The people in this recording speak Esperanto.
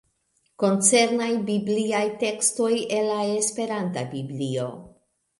Koncernaj bibliaj tekstoj el la esperanta Biblio.